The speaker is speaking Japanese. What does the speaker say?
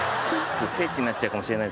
聖地になっちゃうかもしれない